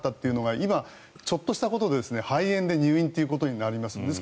今、ちょっとしたことで肺炎で入院ということになります。